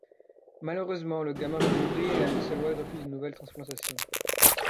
Malheureusement, le gamin va mourir et Amy Solway refuse une nouvelle transplantation.